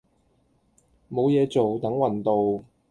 冇嘢做等運到